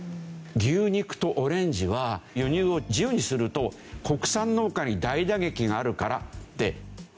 牛肉とオレンジは輸入を自由にすると国産農家に大打撃があるからってほとんど輸入していなかった。